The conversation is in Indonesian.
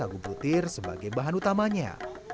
menggunakan sagu putir sebagai bahan utamanya